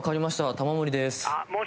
玉森です。